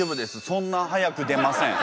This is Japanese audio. そんな早く出ません。